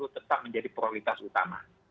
tetap menjadi prioritas utama